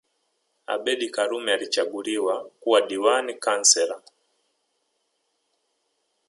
Abeid Karume alichaguliwa kuwa diwani Councillor